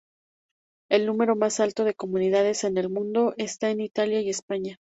El número más alto de comunidades en el mundo está en Italia y España.